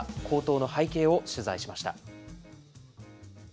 高騰の背景を取材しました。